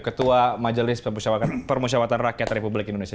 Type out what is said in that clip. ketua majelis permusyawatan rakyat republik indonesia